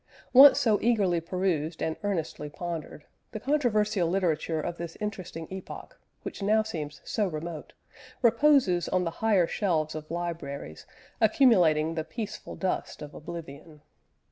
Once so eagerly perused and earnestly pondered, the controversial literature of this interesting epoch (which now seems so remote) reposes on the higher shelves of libraries, accumulating the peaceful dust of oblivion.